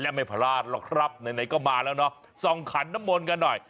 และไม่พลาดหรอกครับไหนก็มาแล้วเนาะส่องขันน้ำมนต์กันหน่อย